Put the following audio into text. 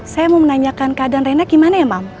saya mau menanyakan keadaan rena gimana ya mam